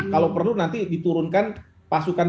kalau perlu nanti diturunkan pasukan